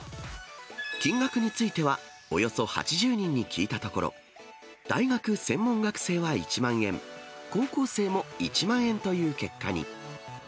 金額については、およそ８０人に聞いたところ、大学、専門学生は１万円、高校生も１万円という結果に。